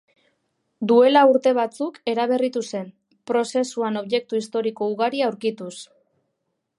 Duela urte batzuk eraberritu zen, prozesuan objektu historiko ugari aurkituz.